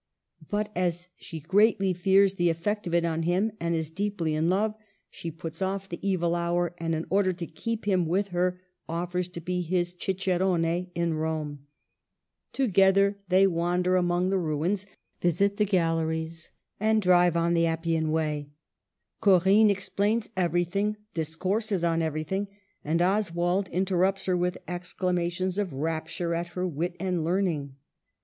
But as she greatly fears the effect of it on him, and is deeply in love, she puts off the evil hour, and, in order to keep him with her, offers to be his cicerone in Rome. Together they wander among Digitized by VjOOQIC 228 MADAME DE STAEL. the ruins, visit the galleries, and drive on the Appian Way. Corinne explains everything, dis courses on everything, and Oswald interrupts her with exclamations of rapture at her wit and learning.